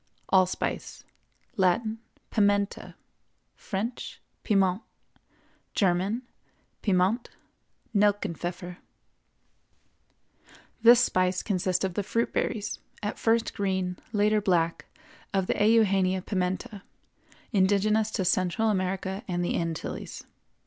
ALLSPICE. Latin—Pimenta; French—Piment; German—Piment; Nelkenpfeffer. This spice consists of the fruit berries, at first green, later black, of the Eugenia Pimenta, indigenous to Central America and the Antilles.